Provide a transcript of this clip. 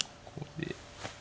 ここで。